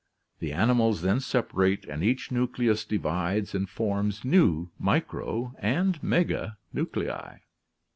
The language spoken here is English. The animals then separate and each nucleus divides and forms new micro and meganuclei.